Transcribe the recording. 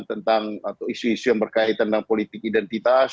tentang atau isu isu yang berkaitan dengan politik identitas